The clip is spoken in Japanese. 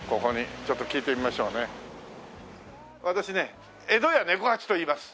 私ね江戸家猫八といいます。